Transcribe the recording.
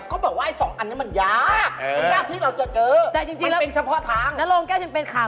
เขาบอกว่าไอ้สองอันนี้มันยาก